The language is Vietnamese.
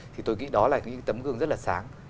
thì tôi nghĩ đó là cái tấm gương rất là sáng